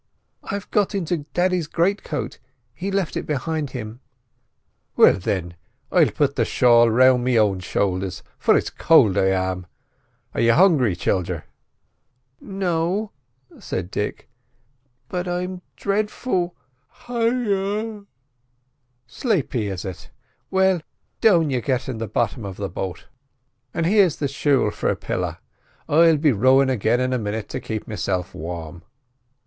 "I've got into daddy's great coat; he left it behind him." "Well, thin, I'll put the shawl round me own shoulders, for it's cowld I am. Are y' hungry, childer?" "No," said Dick, "but I'm drefful—Hi—yow——" "Slapy, is it? Well, down you get in the bottom of the boat, and here's the shawl for a pilla. I'll be rowin' again in a minit to keep meself warm."